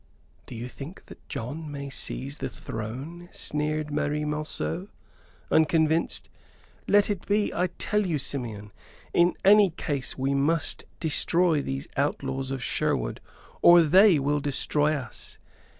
"So you think that John may seize the throne?" sneered Marie Monceux, unconvinced. "Let it be, I tell you, Simeon. In any case we must destroy these outlaws of Sherwood or they will destroy us.